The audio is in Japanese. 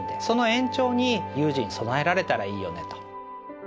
その延長に有事に備えられたらいいよねと。